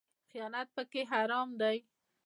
خیانت پکې حرام دی